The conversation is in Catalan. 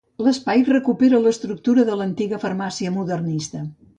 L’espai recupera l’estructura de l’antiga farmàcia modernista.